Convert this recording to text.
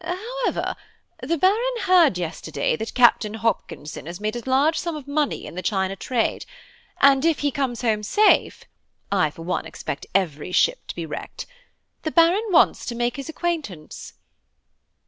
However, the Baron heard yesterday that Captain Hopkinson has made a large sum of money in the China trade, and if he comes safe home (I, for one, expect every ship to be wrecked) the Baron wants to make his acquaintance!"